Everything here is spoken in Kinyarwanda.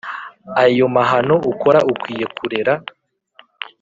ayo mahano ukora ukwiye kurera